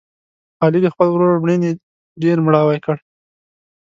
علي د خپل ورور مړینې ډېر مړاوی کړ.